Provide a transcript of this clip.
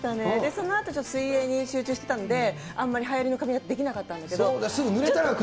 そのあと水泳に集中してたので、あんまりはやりの髪形できなかったんだけど。